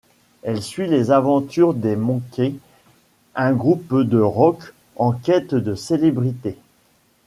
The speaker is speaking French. Elle suit les aventures des Monkees, un groupe de rock en quête de célébrité.